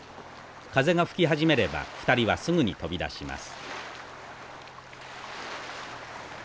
風が吹き始めれば２人はすぐに飛び出します。